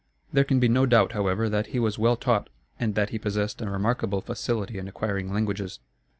There can be no doubt, however, that he was well taught, and that he possessed a remarkable facility in acquiring languages.